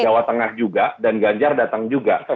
jawa tengah juga dan ganjar datang juga